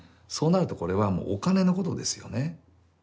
そうなるとこれはもうお金のことですよね。